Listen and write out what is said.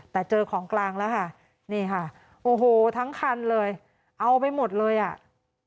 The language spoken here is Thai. แต่เจอของกลางแล้วค่ะนี่ค่ะโอ้โหทั้งคันเลยเอาไปหมดเลยอ่ะ